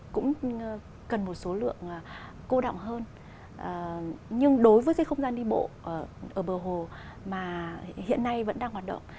cũng cần một số lượng cô động hơn nhưng đối với cái không gian đi bộ ở bờ hồ mà hiện nay vẫn đang hoạt động